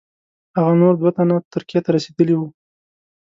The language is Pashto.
هغه نور دوه تنه ترکیې ته رسېدلي وه.